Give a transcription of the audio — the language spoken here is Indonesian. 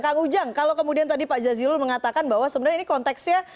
kang ujang kalau kemudian tadi pak jazilul mengatakan bahwa sebenarnya ini konteksnya